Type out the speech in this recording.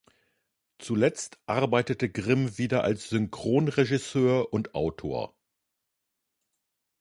Zuletzt arbeitete Grimm wieder als Synchronregisseur und -autor.